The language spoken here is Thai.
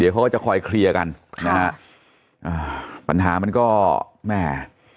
เขาก็จะคอยเคลียร์กันนะฮะอ่าปัญหามันก็แม่